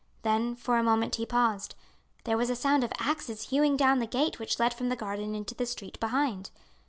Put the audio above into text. Then for a moment he paused. There was a sound of axes hewing down the gate which led from the garden into the street behind.